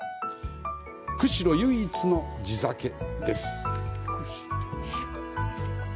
釧路唯一の地酒です。